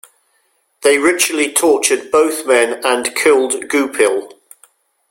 They ritually tortured both men and killed Goupil.